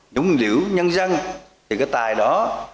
nhũng liễu nhân dân thì cái tài đó